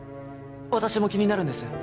私も気になるんです